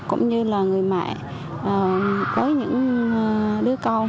cũng như là người mẹ với những đứa con